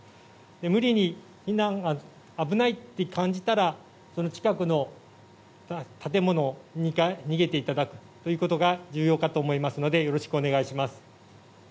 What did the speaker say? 無理に避難、危ないと感じたら近くの建物に逃げていただくということが重要かと思いますのでよろしくお願いします。